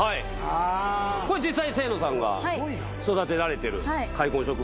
実際に清野さんが育てられてる塊根植物。